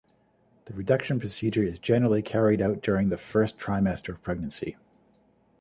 The reduction procedure is generally carried out during the first trimester of pregnancy.